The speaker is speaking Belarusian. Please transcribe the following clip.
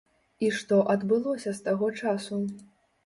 І што адбылося з таго часу?